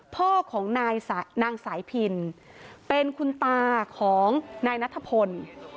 พ่อของนางสายพินเป็นคุณตาของนายนัทพล